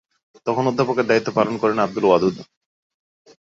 তখন অধ্যক্ষের দায়িত্ব পালন করেন আঃ ওয়াদুদ।